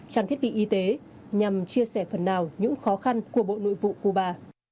trang thiết bị y tế nhằm chia sẻ phần nào những khó khăn của bộ nội vụ cuba